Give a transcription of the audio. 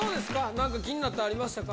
なんか気になったのありましたか？